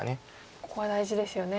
ここは大事ですよね。